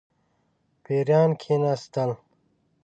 پیران کښېنستل.